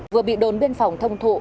vừa bị đồn biên phòng thông thủ